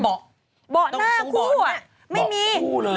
บอเบอร์หน้าคู่ไม่มี